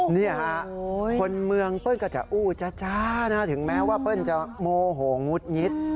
นี่ฮะคนเมืองเปิ้ลก็จะอู้จ๊ะถึงแม้ว่าเปิ้ลจะโมโหงุดงิด